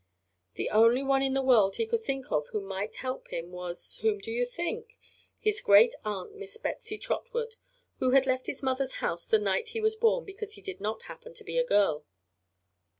The only one in the world he could think of who might help him was whom do you think? His great aunt, Miss Betsy Trotwood, who had left his mother's house the night he was born because he did not happen to be a girl.